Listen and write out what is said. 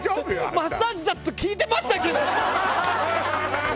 マッサージだと聞いてましたけど。